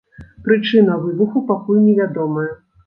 Прычына выбуху пакуль невядомая.